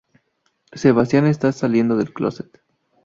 Sebastian está saliendo del closet.